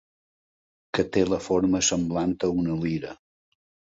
Que té la forma semblant a una lira.